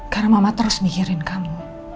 karena mama terus mikirin kamu